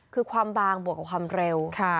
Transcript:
คือความบางบวกกับความเร็ว